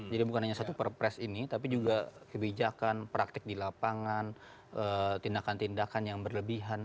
jadi bukan hanya satu perpres ini tapi juga kebijakan praktik di lapangan tindakan tindakan yang berlebihan